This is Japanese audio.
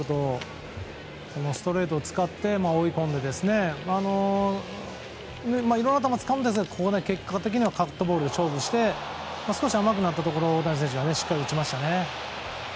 そしてストレートを使って追い込んでいろんな球を使うんですが結果的にはカットボールで勝負して少し甘くなったところ大谷選手がしっかり打ちました。